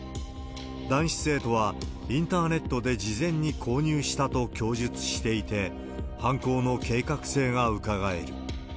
男子生徒は、インターネットで事前に購入したと供述していて、犯行の計画性がうかがえる。